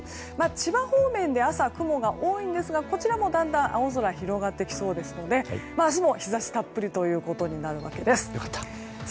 千葉方面で朝、雲が多いんですがこちらもだんだん青空が広がってきそうですので明日も日差したっぷりということになるわけです。